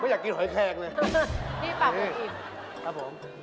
นี่ปากวงอิ่มครับผมแค่ค่อยครับ